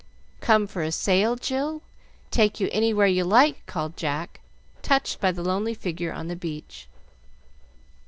"Come for a sail, Jill? Take you anywhere you like," called Jack, touched by the lonely figure on the beach.